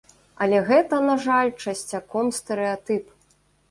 Але гэта, на жаль, часцяком стэрэатып.